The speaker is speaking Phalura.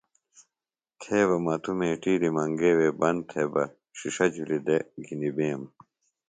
تھے بہ مہ توۡ میٹِیلیۡ منگے وے بند تھےۡ بہ ݜِݜہ جُھلیۡ دےۡ گھنیۡ بیم